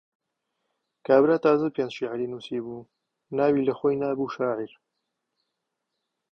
کابرا تازە پێنج شیعری نووسی بوو، ناوی لەخۆی نابوو شاعیر.